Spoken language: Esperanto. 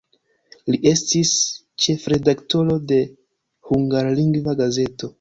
Li estis ĉefredaktoro de hungarlingva gazeto.